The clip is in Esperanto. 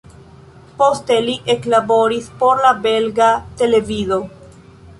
Poste li eklaboris por la belga televido.